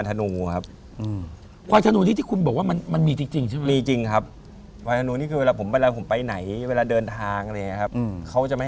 อย่าทำให้ผมเจ็บนะก็เข้า